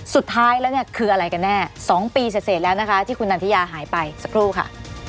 สุดท้ายแล้วเนี่ยคืออะไรกันแน่๒ปีเสร็จแล้วนะคะที่คุณนันทิยาหายไปสักครู่ค่ะ